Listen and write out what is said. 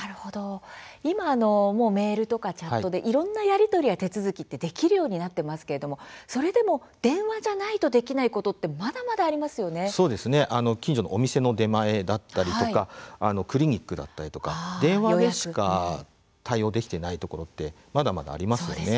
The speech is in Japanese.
今はメールとかチャットなどいろいろなやり取りや手続きできるようになっていますけれども電話じゃないとできない近所のお店の出前とかクリニックとか電話でしか対応できていないところってまだまだありますよね。